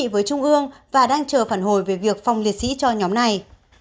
với trung ương và đang chờ phản hồi về việc phòng liệt sĩ cho nhóm này